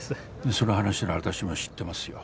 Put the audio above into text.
その話なら私も知ってますよ。